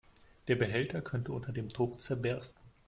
Der Behälter könnte unter dem Druck zerbersten.